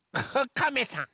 カメさん。